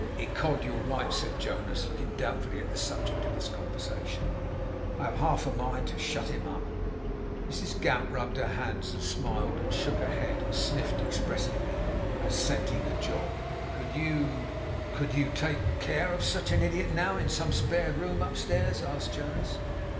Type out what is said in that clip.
'Ecod you're right,' said Jonas, looking doubtfully at the subject of this conversation. 'I have half a mind to shut him up.' Mrs Gamp rubbed her hands, and smiled, and shook her head, and sniffed expressively, as scenting a job. 'Could you could you take care of such an idiot, now, in some spare room upstairs?' asked Jonas.